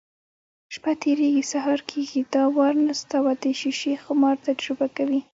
شپه تېرېږي، سهار کېږي. دا وار نستوه د شیشې خمار تجربه کوي: